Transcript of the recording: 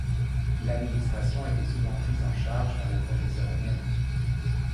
L'administration était souvent prise en charge par les professeurs eux-mêmes.